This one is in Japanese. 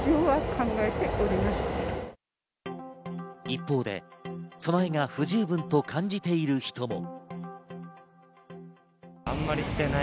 一方で、備えが不十分と感じている人も。